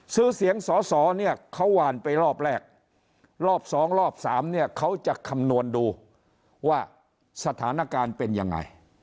ซื้อเสียงสอสอเนี่ยเขาหวานไปรอบแรกรอบสองรอบสามเนี่ยเขาจะคำนวณดูว่าสถานการณ์เป็นยังไง